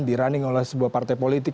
dirunning oleh sebuah partai politik